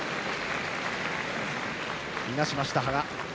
いなしました、羽賀。